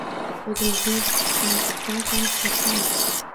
O‘zimizning Qonqusdan ham kattami?